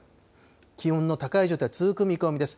気温の高い状態、続く見込みです。